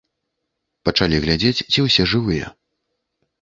Пачалі глядзець, ці ўсе жывыя.